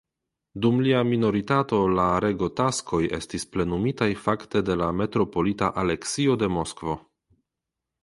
Dum lia minoritato la regotaskoj estis plenumitaj fakte de la metropolita Aleksio de Moskvo.